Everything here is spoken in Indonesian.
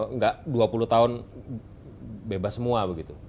enggak dua puluh tahun bebas semua begitu